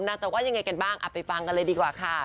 จะว่ายังไงกันบ้างไปฟังกันเลยดีกว่าค่ะ